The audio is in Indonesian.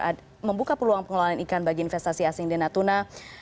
ada pembukaan pengelolaan ikan bagi investasi asing di natuna